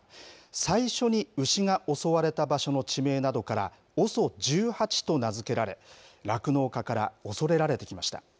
最初に牛が襲われた場所の地名などから、ＯＳＯ１８と名付けられ、酪農家から恐れられてきました。